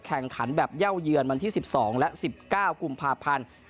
แข่งขันแบบเย่าเยือนวันที่๑๒และ๑๙กุมภาพันธ์